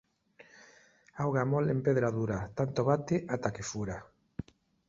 Auga mol en pedra dura, tanto bate ata que fura.